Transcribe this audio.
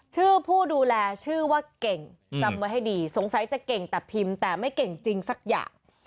ผู้ดูแลชื่อว่าเก่งจำไว้ให้ดีสงสัยจะเก่งแต่พิมพ์แต่ไม่เก่งจริงสักอย่าง